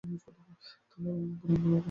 থালার উপর আঙ্গুর রাখ।